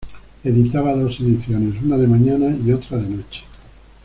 Editaba dos ediciones, una de mañana y otra de noche.